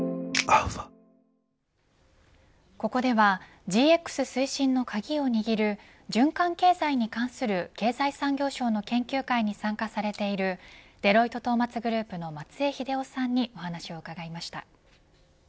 ここではＧＸ推進の鍵を握る循環経済に関する経済産業省の研究会に参加されているデロイトトーマツグループの松江英夫さんにお話を伺いました。